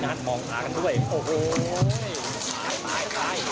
งานมองหากันด้วย